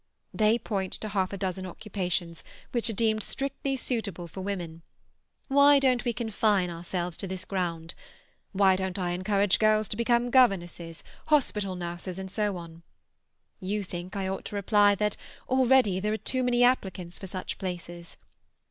"They point to half a dozen occupations which are deemed strictly suitable for women. Why don't we confine ourselves to this ground? Why don't I encourage girls to become governesses, hospital nurses, and so on? You think I ought to reply that already there are too many applicants for such places.